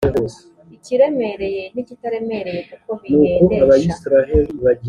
ikiremereye n’ikitaremereye kuko bihendesha.